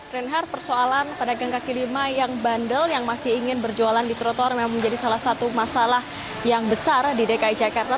reinhard persoalan pedagang kaki lima yang bandel yang masih ingin berjualan di trotoar memang menjadi salah satu masalah yang besar di dki jakarta